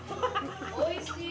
おいしい！